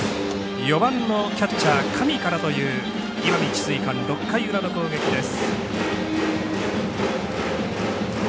４番のキャッチャー上からという石見智翠館６回裏の攻撃です。